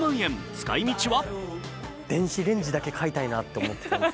使い道は？